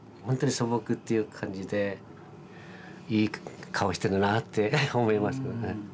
本当に素朴っていう感じでいい顔してるなって思います。